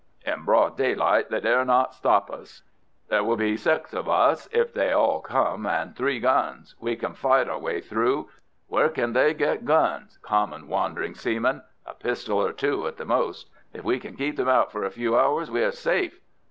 "In broad daylight they dare not stop us. There will be six of us, if they all come, and three guns. We can fight our way through. Where can they get guns, common, wandering seamen? A pistol or two at the most. If we can keep them out for a few hours we are safe.